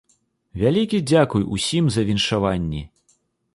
Вялікі дзякуй усім за віншаванні!